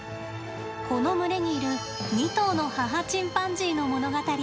この群れにいる２頭の母チンパンジーの物語。